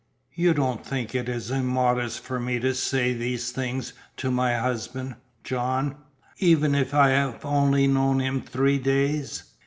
You don't think it is immodest for me to say these things to my husband, John even if I have only known him three days?"